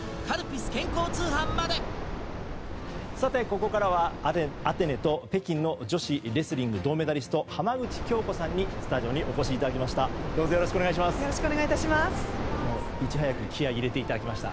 ここからはアテネと北京の女子レスリング銅メダリスト浜口京子さんにスタジオにお越しいただきました。